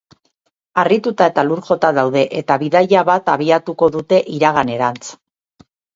Harrituta eta lur jota daude eta bidaia bat abiatuko dute iraganerantz.